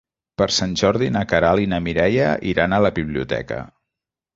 Per Sant Jordi na Queralt i na Mireia iran a la biblioteca.